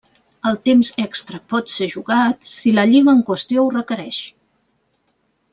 El temps extra pot ser jugat si la lliga en qüestió ho requereix.